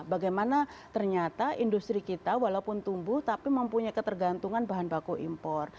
bagaimana ternyata industri kita walaupun tumbuh tapi mempunyai ketergantungan bahan baku impor